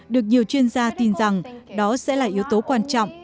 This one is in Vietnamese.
được nhiều chuyên gia tin rằng đó sẽ là yếu tố quan trọng